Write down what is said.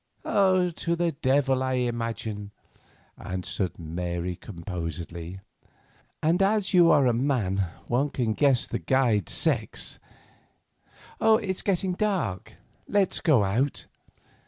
"To the devil, I imagine," answered Mary composedly, "and as you are a man one can guess the guide's sex. It's getting dark, let us go out.